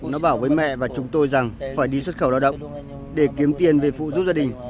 nó bảo với mẹ và chúng tôi rằng phải đi xuất khẩu lao động để kiếm tiền về phụ giúp gia đình